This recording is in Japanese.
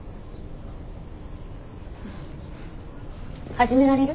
始められる？